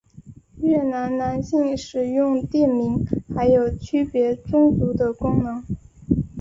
越南男性使用垫名还有区别宗族的功能。